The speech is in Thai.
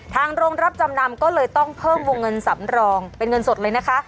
โรงรับจำนำก็เลยต้องเพิ่มวงเงินสำรองเป็นเงินสดเลยนะคะ